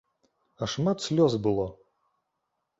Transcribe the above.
А шмат слёз было!